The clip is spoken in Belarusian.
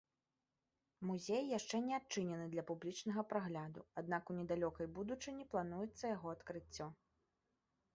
Музей яшчэ не адчынены для публічнага прагляду, аднак у недалёкай будучыні плануецца яго адкрыццё.